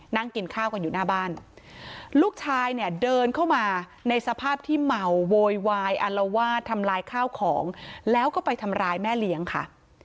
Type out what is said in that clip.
นั่งกินข้าวกันอยู่หน้าบ้านลูกชายเนี่ยเดินเข้ามาในสภาพที่เมาโวยวายอารวาสทำลายข้าวของแล้วก็ไปทำร้ายแม่เลี้ยงค่ะ